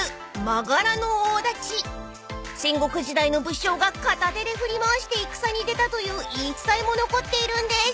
［戦国時代の武将が片手で振り回して戦に出たという言い伝えも残っているんです］